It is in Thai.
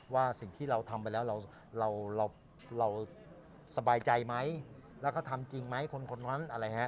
ว่าสิ่งที่เราทำไปแล้วเราเราสบายใจไหมแล้วก็ทำจริงไหมคนนั้นอะไรฮะ